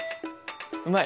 うまい。